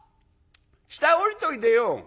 下へ下りといでよ。